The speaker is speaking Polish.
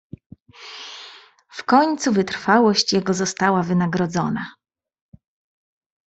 "W końcu wytrwałość jego została wynagrodzona."